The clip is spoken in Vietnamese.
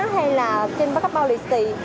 hay là trên bác áp bao lì xì